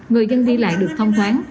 người dân đi lại được thông thoáng